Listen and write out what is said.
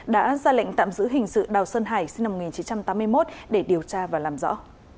đã ra lệnh tạm giữ hình sự đào sơn hải sinh năm một nghìn chín trăm tám mươi một để điều tra và làm rõ